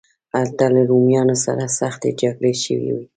هلته له رومیانو سره سختې جګړې شوې وې.